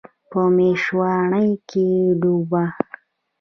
په میشواڼۍ کې ډوبه